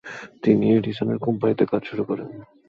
তিনি এডিসন এর কোম্পানিতে কাজ শুরু করেন।